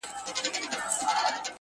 پوهه په شریکولو زیاتېږي